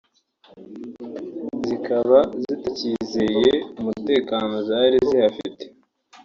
zikaba zitakizeye umutekano zari zihafite